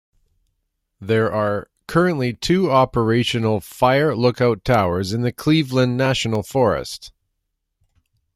There are currently two operational fire lookout towers in the Cleveland National Forest.